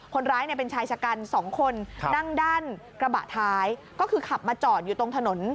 คนร้ายเป็นชายชะกันสองคนนั่งด้านกระบะท้ายก็คือขับมาจอดอยู่ตรงถนน